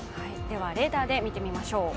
レーダーで見てみましょう。